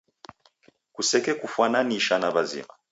Kusekekufwananisha na w'azima.